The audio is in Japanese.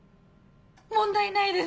問題ないです！